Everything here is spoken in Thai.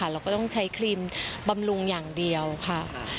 เราก็ต้องใช้ครีมบำรุงอย่างเดียวค่ะ